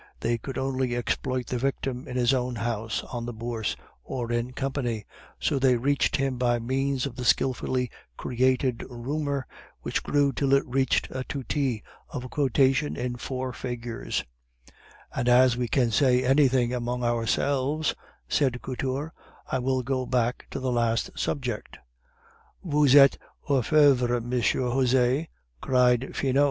They could only exploit the victim in his own house, on the Bourse, or in company; so they reached him by means of the skilfully created rumor which grew till it reached a tutti of a quotation in four figures " "And as we can say anything among ourselves," said Couture, "I will go back to the last subject." "Vous etes orfevre, Monsieur Josse!" cried Finot.